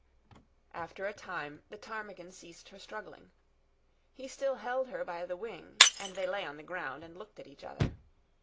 After a time, the ptarmigan ceased her struggling. He still held her by the wing, and they lay on the ground and looked at each other.